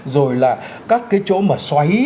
rồi là các cái chỗ mà xoáy